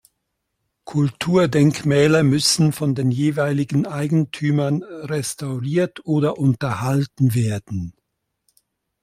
Kulturdenkmäler müssen von den jeweiligen Eigentümern restauriert oder unterhalten werden.